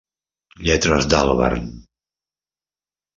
Lletres d'Albarn.